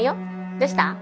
どうした？